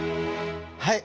はい。